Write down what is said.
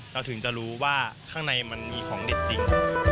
เราถึงจะรู้ว่าข้างในมันมีของเด็ดจริง